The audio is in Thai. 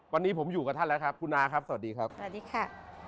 วันนี้ผมอยู่กับท่านแล้วครับคุณอาครับสวัสดีครับสวัสดีค่ะ